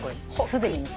すでに。